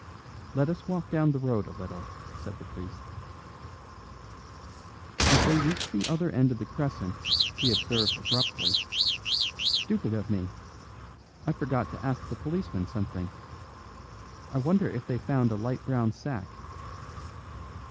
"Let us walk down the road a little," said the priest. As they reached the other end of the crescent he observed abruptly, "Stupid of me! I forgot to ask the policeman something. I wonder if they found a light brown sack."